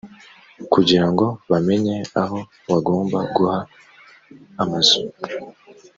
kugira ngo bamenye aho bagomba guha amazu.